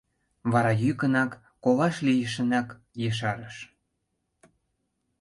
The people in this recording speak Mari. Вара йӱкынак, колаш лийшынак ешарыш.